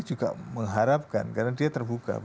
juga mengharapkan karena dia terbuka